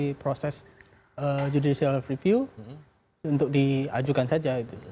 di proses judicial review untuk diajukan saja